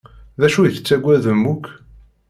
D acu i tettagadem akk?